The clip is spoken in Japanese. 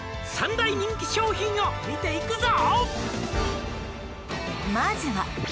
「３大人気商品を見ていくぞ！」